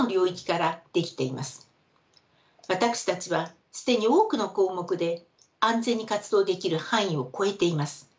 私たちは既に多くの項目で安全に活動できる範囲を超えています。